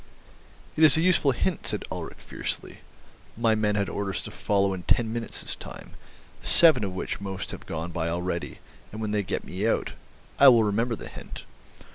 "It is a useful hint," said Ulrich fiercely. "My men had orders to follow in ten minutes time, seven of which must have gone by already, and when they get me out—I will remember the hint.